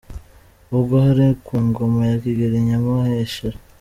Ubwo hari ku ngoma ya Kigeli Nyamuheshera.